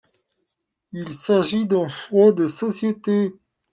Il s’agit d’un choix de société.